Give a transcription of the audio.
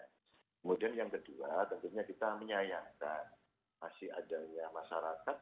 kemudian yang kedua tentunya kita menyayangkan masih adanya masyarakat